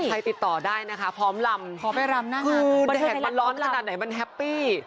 ใครติดต่อได้นะครับพร้อมรำแหดมันร้อนขนาดไหนมันแฮปปี้